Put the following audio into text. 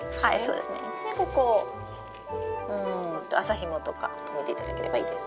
でここをうんと麻ひもとか留めていただければいいです。